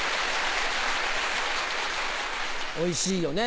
おいしいよね。